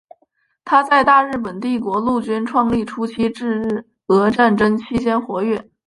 他在大日本帝国陆军创立初期至日俄战争期间活跃。